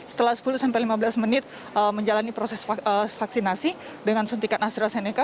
setelah sepuluh sampai lima belas menit menjalani proses vaksinasi dengan suntikan astrazeneca